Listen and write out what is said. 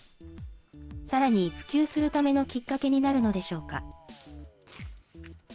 さらに、普及するためのきっかけになるのでしょうか。